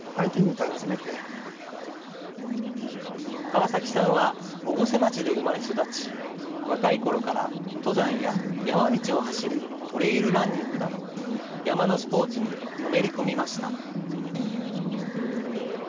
川崎さんは越生町で生まれ育ち若いころから登山や山道を走るトレイルランニングなど山のスポーツにのめり込みました。